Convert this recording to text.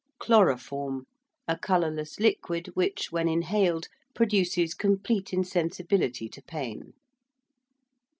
~Chloroform~: a colourless liquid which when inhaled produces complete insensibility to pain.